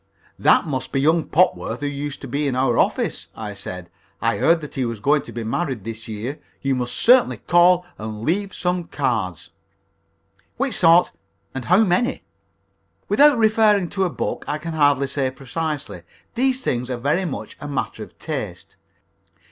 "That must be young Popworth who used to be in our office," I said. "I heard that he was going to be married this year. You must certainly call and leave cards." "Which sort, and how many?" "Without referring to a book, I can hardly say precisely. These things are very much a matter of taste.